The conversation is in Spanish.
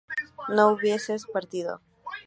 no hubieseis partido